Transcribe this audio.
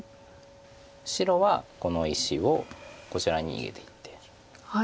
白はこの石をこちら逃げていって。